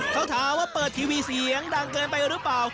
เขาถามว่าเปิดทีวีเสียงดังเกินไปหรือเปล่า